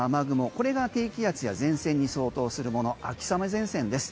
これが低気圧や前線に相当するもの、秋雨前線です。